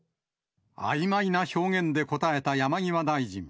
あいまいな表現で答えた山際大臣。